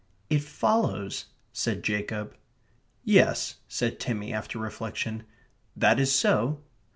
"It follows..." said Jacob. "Yes," said Timmy, after reflection. "That is so."